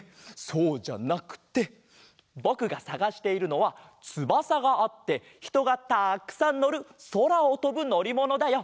そうじゃなくてぼくがさがしているのはつばさがあってひとがたくさんのるそらをとぶのりものだよ。